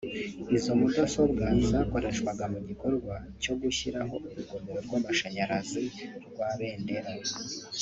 Izo mudasobwa zakoreshwaga mu gikorwa cyo gushyiraho urugomero rw’amashanyarazi rwa Bendera